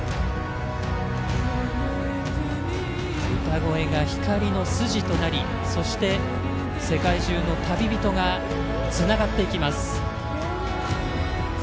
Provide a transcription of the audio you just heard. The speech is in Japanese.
歌声が光の筋となりそして世界中の旅人がつながっていきます。